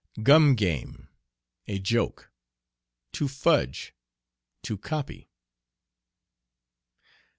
"Gum game." A joke. "To fudge." To copy.